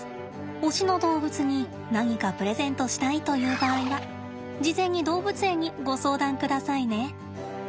推しの動物に何かプレゼントしたいという場合は事前に動物園にご相談くださいね。